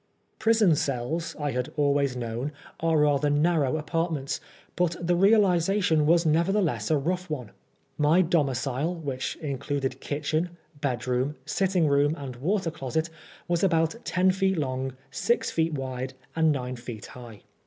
Prison cells, I had always known, are rather narrow apartments, bnt the realisation was nevertheless a rough one. My domicile, which included kitchen, bedroom, sitting room and water closet, was about ten feet long, six feet wide, and nine feet high.